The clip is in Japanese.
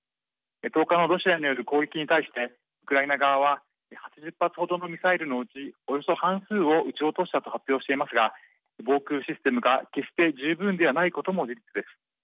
１０日のロシアによる攻撃に対してウクライナ側は８０発程のミサイルのうちおよそ半数を撃ち落としたと発表していますが防空システムが決して十分ではないことも事実です。